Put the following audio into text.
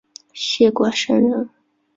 谢冠生人。